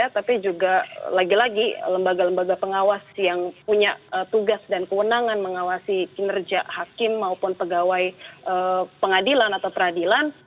tapi juga lagi lagi lembaga lembaga pengawas yang punya tugas dan kewenangan mengawasi kinerja hakim maupun pegawai pengadilan atau peradilan